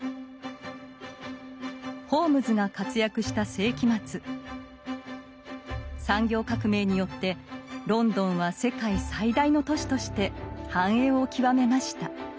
ホームズが活躍した世紀末産業革命によってロンドンは世界最大の都市として繁栄を極めました。